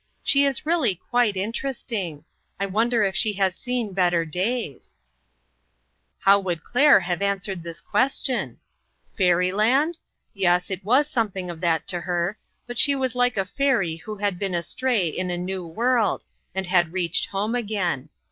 She is really quite interesting. I wonder if she has seen better days ?" How would Claire have answered this ques tion ? "Fairyland?" yes, it was something of that to her, but she was like a fairy who had been astray in a new world, and had reached home again.